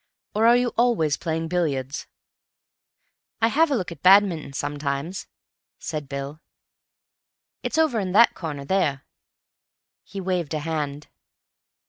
"Or are you always playing billiards?" "I have a look at 'Badminton' sometimes," said Bill. "It's over in that corner there." He waved a hand.